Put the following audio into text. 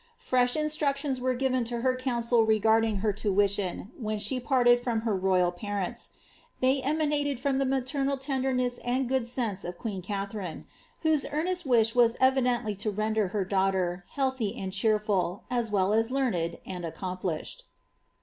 Fresh instructions were given to her council regarding her tuition when she parted from her royal parents ; they emanated from the maternal tenderness and good sense of queen Katharine, whose earnest wish was evidently to render her daughter healthy and cheerful, at well as learned and accomplished.